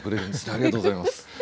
ありがとうございます。